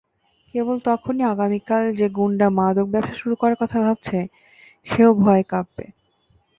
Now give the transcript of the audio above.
কেবল তখনই আগামীকাল যে গুণ্ডা মাদক ব্যবসা শুরুর কথা ভাবছে সেও ভয়ে কাঁপবে।